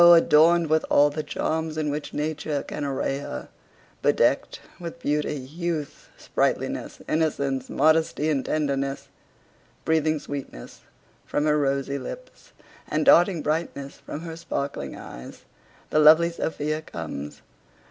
adorned with all the charms in which nature can array her; bedecked with beauty, youth, sprightliness, innocence, modesty, and tenderness, breathing sweetness from her rosy lips, and darting brightness from her sparkling eyes, the lovely Sophia comes!